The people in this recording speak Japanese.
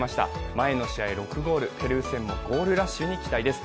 前の試合６ゴール、ペルー戦もゴールラッシュに期待です。